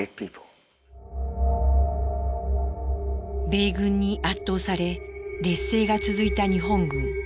米軍に圧倒され劣勢が続いた日本軍。